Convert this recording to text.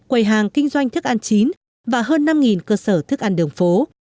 quầy hàng kinh doanh thức ăn chín và hơn năm cơ sở thức ăn đường phố